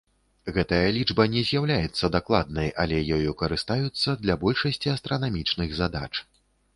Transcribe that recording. Гэтая лічба не з'яўляецца дакладнай, але ёю карыстаюцца для большасці астранамічных задач.